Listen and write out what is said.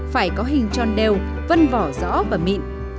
phải có hình tròn đều vân vỏ rõ và mịn